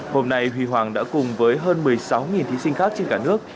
hôm nay huy hoàng đã cùng với hơn một mươi sáu thí sinh khác trên cả nước